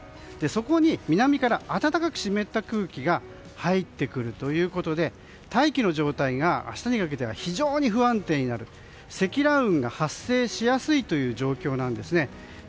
そこに南から暖かく湿った空気が入ってくるということで大気の状態が明日にかけては非常に不安定になる積乱雲が発生しやすい状況です。